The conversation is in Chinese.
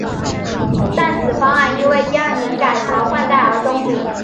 但此方案因为第二年改朝换代而中止。